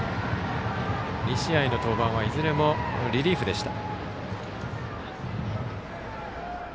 ２試合の登板はいずれもリリーフでした。